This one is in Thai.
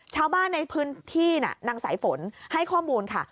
ชาวบ้านในพื้นที่นางสายฝนให้ข้อมูลค่ะ